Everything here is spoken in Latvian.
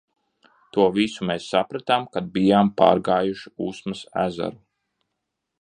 To visu mēs sapratām, kad bijām pārgājuši Usmas ezeru.